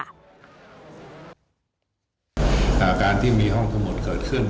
การที่มีห้องสมุดเกิดขึ้น